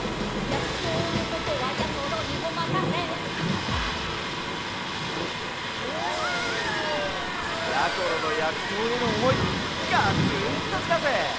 やころのやくそうへのおもいガツンときたぜ！